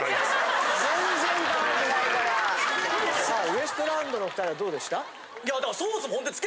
さあウエストランドの２人はどうでした？